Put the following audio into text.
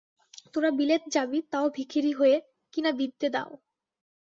তোরা বিলেত যাবি, তাও ভিখিরী হয়ে, কিনা বিদ্যে দাও।